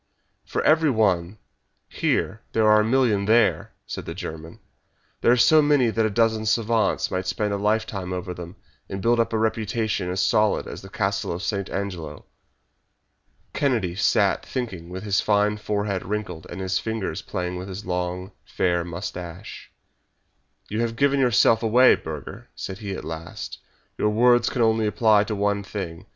"For every one here there are a million there!" said the German. "There are so many that a dozen savants might spend a lifetime over them, and build up a reputation as solid as the Castle of St. Angelo." Kennedy sat thinking with his fine forehead wrinkled and his fingers playing with his long, fair moustache. "You have given yourself away, Burger!" said he at last. "Your words can only apply to one thing.